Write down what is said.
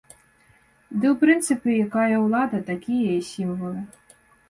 Ды ў прынцыпе, якая ўлада, такія і сімвалы.